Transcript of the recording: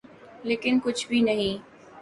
لیکن کچھ بھی نہیں۔